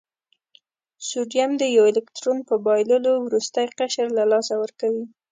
سوډیم د یو الکترون په بایللو وروستی قشر له لاسه ورکوي.